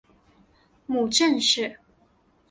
母郑氏。